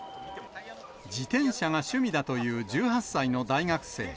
自転車が趣味だという１８歳の大学生。